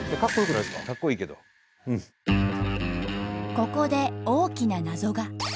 ここで大きな謎が。